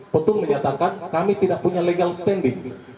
petun menyatakan kami tidak punya legal standing